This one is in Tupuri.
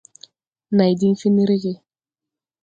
Này diŋ fen rege.